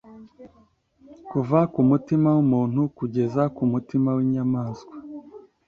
Kuva ku mutima wumuntu kugeza ku mutima winyamaswa